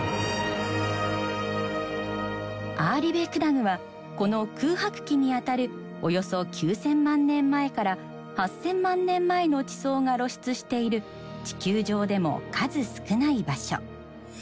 アーリベクダグはこの空白期にあたるおよそ９，０００万年前から８，０００万年前の地層が露出している地球上でも数少ない場所。